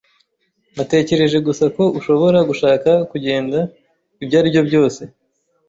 Natekereje gusa ko ushobora gushaka kugenda, ibyo aribyo byose.